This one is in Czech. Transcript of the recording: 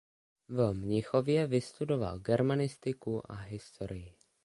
V Mnichově vystudoval germanistiku a historii.